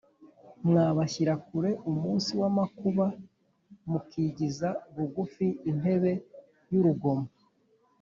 Mwa bashyira kure umunsi w’amakuba, mukigiza bugufi intebe y’urugomo